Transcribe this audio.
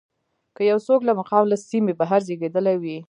که یو څوک له مقام له سیمې بهر زېږېدلی وي.